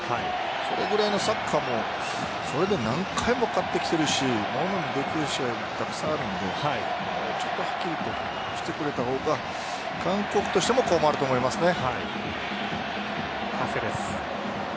それくらいのサッカーでそれで何回も勝ってきているしものにできる試合がたくさんあるのではっきり言ってそうしてくれた方が韓国としても困ると思いますね。